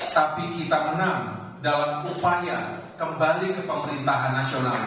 tapi kita menang dalam upaya kembali ke pemerintahan nasional